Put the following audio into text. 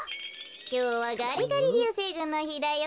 きょうはガリガリりゅうせいぐんのひだよ。